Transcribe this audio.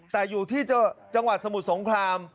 แต่อยู่ที่จังหวัดสมุทรสงคราม